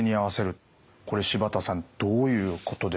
これ柴田さんどういうことでしょうか？